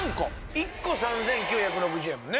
１個３９６０円やもんね？